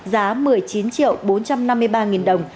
giá một mươi chín triệu bốn trăm năm mươi ba nghìn đồng